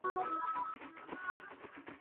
ایا ستا مقاله د استاد لخوا تایید سوي ده؟